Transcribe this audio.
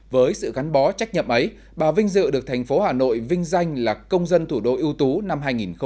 với sự gắn bó trách nhiệm ấy bà vinh dự được thành phố hà nội vinh danh là công dân thủ đô ưu tú năm hai nghìn một mươi chín